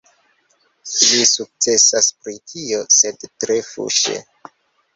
Li sukcesas pri tio, sed tre fuŝe.